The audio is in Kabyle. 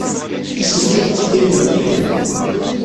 Iselman ttidiren deg yilel.